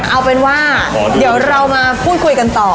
เอาเป็นว่าเดี๋ยวเรามาพูดคุยกันต่อ